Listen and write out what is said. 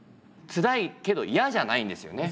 「ツラい」けど「イヤ」じゃないんですよね。